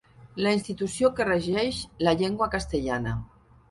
La institució que regeix la llengua castellana.